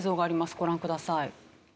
ご覧ください。